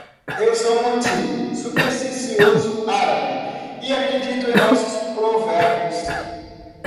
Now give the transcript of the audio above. Eu sou um antigo? supersticioso árabe? e acredito em nossos provérbios.